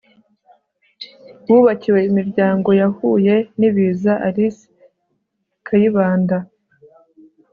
wubakiwe imiryango yahuye in ibiza alice kayibanda